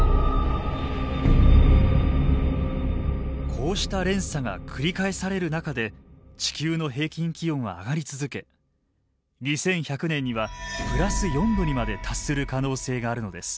こうした連鎖が繰り返される中で地球の平均気温は上がり続け２１００年にはプラス４℃にまで達する可能性があるのです。